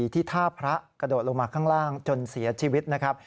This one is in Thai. ที่ท่าพระกระโดดลงมาข้างล่างจนเสียชีวิตนะครับ